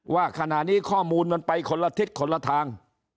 ว่าขณะนี้ข้อมูลมันไปคนละทิศคนละทาง